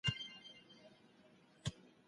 کله باید خپله خوښي له نورو سره ووېشو؟